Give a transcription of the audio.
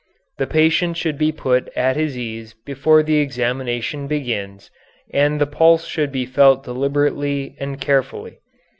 The patient should be put at his ease before the examination begins and the pulse should be felt deliberately and carefully.